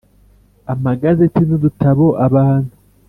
amagazeti n udutabo Abantu